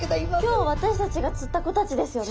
今日私たちが釣った子たちですよね。